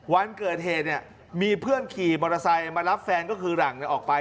วันเกิดเหตุเนี่ยมีเพื่อนขี่มอเตอร์ไซค์มารับแฟนก็คือหลังออกไป